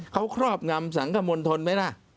เขาครอบงำสังขมณฑลไหมล่ะ